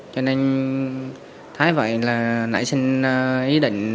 cho nên thấy vậy là nãy xin ý định